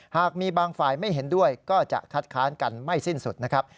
หากมีบางฝ่ายไม่เห็นด้วยก็จะคัดค้านกันไม่สิ้นสุดนะครับ